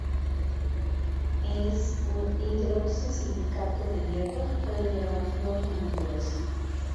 Es un hidroxi-silicato de hierro —puede llevar flúor como impureza—.